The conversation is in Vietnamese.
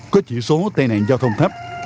có chỉ số tai nạn giao thông thấp